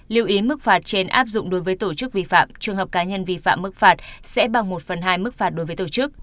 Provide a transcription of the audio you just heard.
lưu ý mức phạt trên áp dụng đối với tổ chức vi phạm trường hợp cá nhân vi phạm mức phạt sẽ bằng một phần hai mức phạt đối với tổ chức